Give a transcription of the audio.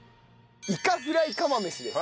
いかフライ釜飯です。